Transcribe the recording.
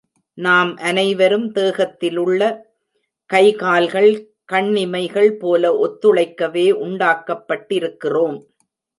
நாம் அனைவரும் தேகத்திலுள்ள கை கால்கள், கண்ணிமைகள் போல ஒத்துழைக்கவே உண்டாக்கப்பட்டிருக்கிறோம்.